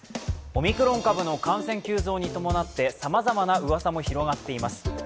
オミクロン株の感染急増に伴って、さまざまなうわさも広まっています。